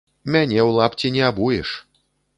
Мяне ў лапці не абуеш!